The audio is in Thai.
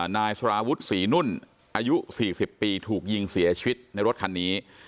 นายสารวุฒิศรีนุ่นอายุ๔๐ปีถูกยิงเสียชีวิตในรถคันนี้